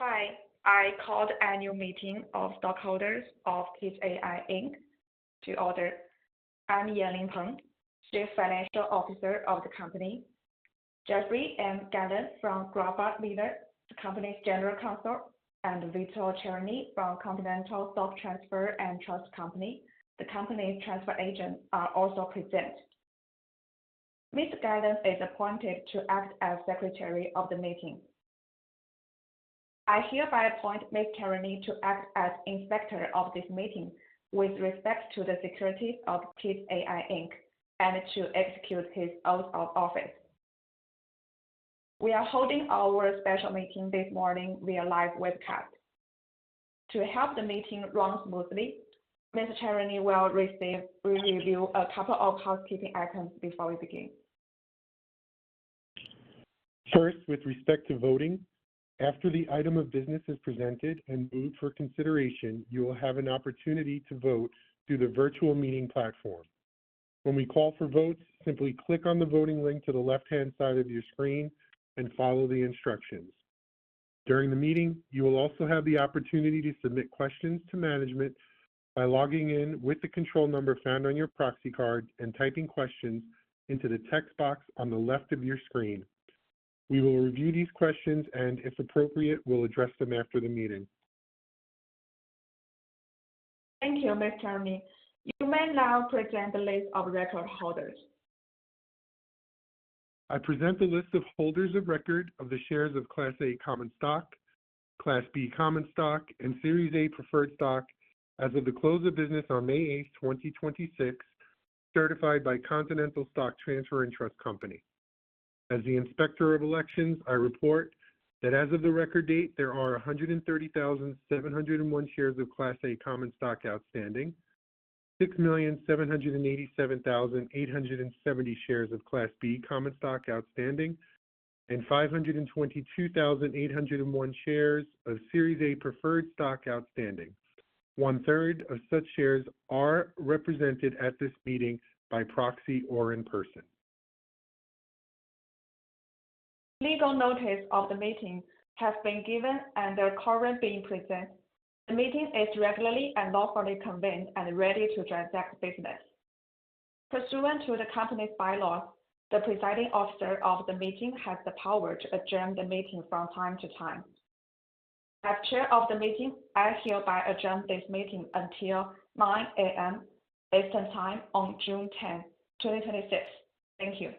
Hi. I call the annual meeting of stockholders of KIDZ AI Inc. to order. I'm Yanling Peng, Chief Financial Officer of the company. Jeffrey M. Gallant from Graubard Miller, the company's general counsel, and Victor Charony from Continental Stock Transfer & Trust Company, the company's transfer agent, are also present. Mr. Gallant is appointed to act as secretary of the meeting. I hereby appoint Mr. Charony to act as inspector of this meeting with respect to the securities of KIDZ AI Inc., and to execute his oath of office. We are holding our special meeting this morning via live webcast. To help the meeting run smoothly, Mr. Charony will review a couple of housekeeping items before we begin. With respect to voting, after the item of business is presented and moved for consideration, you will have an opportunity to vote through the virtual meeting platform. When we call for votes, simply click on the voting link to the left-hand side of your screen and follow the instructions. During the meeting, you will also have the opportunity to submit questions to management by logging in with the control number found on your proxy card and typing questions into the text box on the left of your screen. We will review these questions and, if appropriate, will address them after the meeting. Thank you, Mr. Charony. You may now present the list of record holders. I present the list of holders of record of the shares of Class A common stock, Class B common stock, and Series A preferred stock as of the close of business on May 8th, 2026, certified by Continental Stock Transfer & Trust Company. As the inspector of elections, I report that as of the record date, there are 130,701 shares of Class A common stock outstanding, 6,787,870 shares of Class B common stock outstanding, and 522,801 shares of Series A preferred stock outstanding. One-third of such shares are represented at this meeting by proxy or in person. Legal notice of the meeting has been given and are currently being presented. The meeting is regularly and lawfully convened and ready to transact business. Pursuant to the company's bylaws, the presiding officer of the meeting has the power to adjourn the meeting from time to time. As chair of the meeting, I hereby adjourn this meeting until 9:00 AM Eastern time on June 10th, 2026. Thank you.